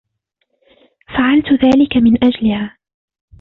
فعلت ذلك من أجلها.